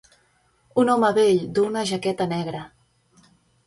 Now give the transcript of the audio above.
Un home vell duu una jaqueta negra.